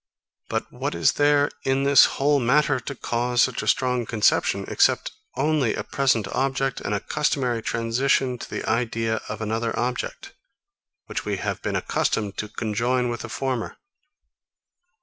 But what is there in this whole matter to cause such a strong conception, except only a present object and a customary transition to the idea of another object, which we have been accustomed to conjoin with the former?